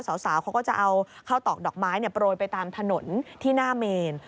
สาวเขาก็จะเอาข้าวตอกดอกไม้โปรยไปตามถนนที่หน้าเมน